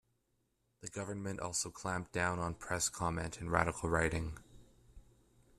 The government also clamped down on press comment and radical writing.